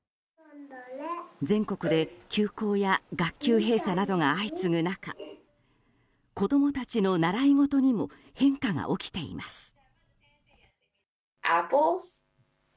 全国で休校や学級閉鎖などが相次ぐ中子供たちの習い事にも変化が起きています。